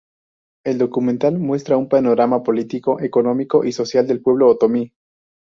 El documental muestra un panorama político, económico y social del pueblo otomí.